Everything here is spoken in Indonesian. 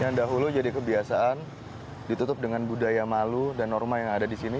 yang dahulu jadi kebiasaan ditutup dengan budaya malu dan norma yang ada di sini